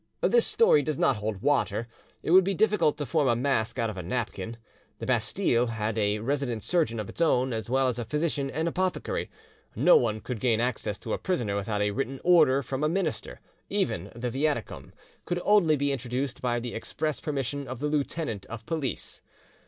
This story does not hold water: it would be difficult to form a mask out of a napkin; the Bastille had a resident surgeon of its own as well as a physician and apothecary; no one could gain access to a prisoner without a written order from a minister, even the Viaticum could only be introduced by the express permission of the lieutenant of police.